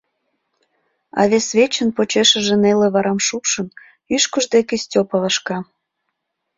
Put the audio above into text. А вес вечын почешыже неле варам шупшын, ӱшкыж деке Степа вашка.